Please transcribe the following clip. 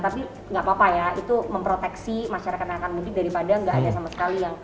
tapi nggak apa apa ya itu memproteksi masyarakat yang akan mudik daripada nggak ada sama sekali yang